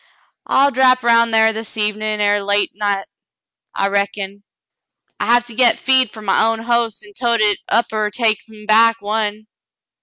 "I'll drap 'round thar this evenin' er late night, I reckon. I have to get feed fer my own hoss an' tote hit up er take him back — one.